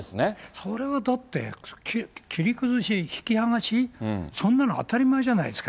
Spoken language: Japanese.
それはだって、切り崩し、引きはがし、そんなの当たり前じゃないですか。